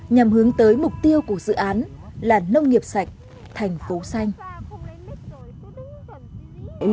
nhằm hướng tới mục tiêu của dự án là nông nghiệp sạch thành phố xanh